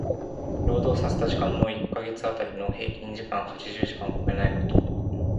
労働させた時間の一箇月当たりの平均時間八十時間を超えないこと。